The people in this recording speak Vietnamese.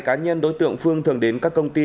cá nhân đối tượng phương thường đến các công ty